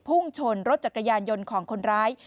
พุ่งชนรถจักรยานยนต์ของคนร้าย